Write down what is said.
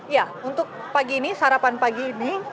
ya untuk pagi ini sarapan pagi ini